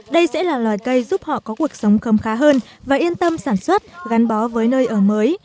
đây sẽ là loài cây giúp họ có cuộc sống khâm khá hơn và yên tâm sản xuất gắn bó với nơi ở mới